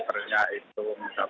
terus pak teman teman